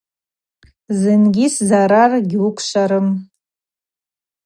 Зынгьи сзарар гьуыквшварым.